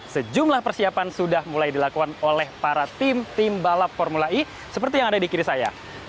sejumlah persiapan sudah mulai dilakukan oleh para tim tim balap formula e seperti yang ada di kiri saya